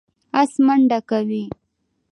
آس منډه کوي.